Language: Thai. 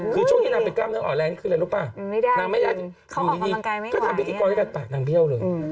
คือช่วงที่นางเป็นกล้ามเนื้ออ่อนแรงขึ้นเลยรู้ป่ะนางไม่ได้คืออย่างนี้เขาออกกำลังกายไม่ไหวนางเบี้ยวเลย